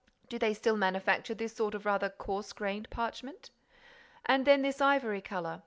—Do they still manufacture this sort of rather coarse grained parchment? And then this ivory color.